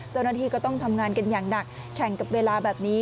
เจ้าหน้าที่ก็ต้องทำงานกันอย่างหนักแข่งกับเวลาแบบนี้